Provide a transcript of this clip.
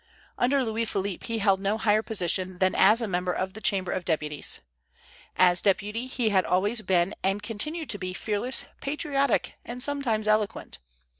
Under Louis Philippe he held no higher position than as a member of the Chamber of Deputies. As deputy he had always been and continued to be fearless, patriotic, and sometimes eloquent.